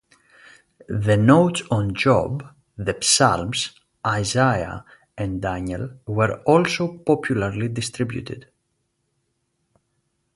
The Notes on Job, the Psalms, Isaiah and Daniel were also popularly distributed.